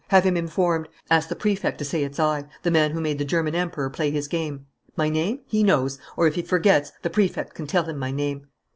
Have him informed. Ask the Prefect to say it's I: the man who made the German Emperor play his game. My name? He knows. Or, if he forgets, the Prefect can tell him my name."